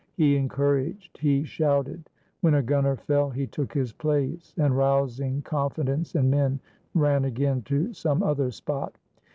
He encouraged; he shouted. When a gunner fell, he took his place, and, rousing con fidence in men, ran again to some other spot.